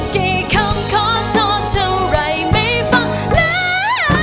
เกี่ยวกับขอโทษเท่าไรไม่ฟังเลือก